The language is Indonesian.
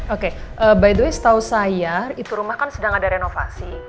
oke by the way setahu saya itu rumah kan sedang ada renovasi